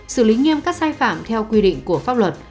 xử lý nghiêm các sai phạm theo quy định của pháp luật